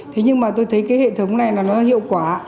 thế nhưng mà tôi thấy cái hệ thống này là nó hiệu quả